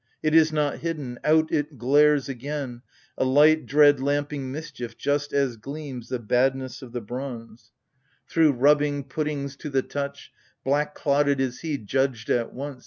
It is not hidden: out it glares again, A light dread lamping mischief, just as gleams The badness of the bronze ; 34 AGAMEMNON. Through rubbing, puttings to the touch, Black clotted is he, judged at once.